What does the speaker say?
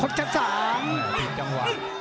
โคตรศาสตร์